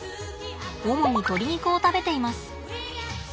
主に鶏肉を食べています。